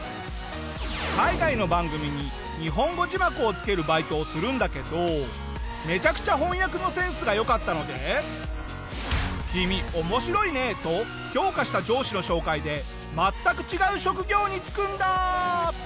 海外の番組に日本語字幕をつけるバイトをするんだけどめちゃくちゃ翻訳のセンスが良かったので「君面白いね！」と評価した上司の紹介で全く違う職業に就くんだ！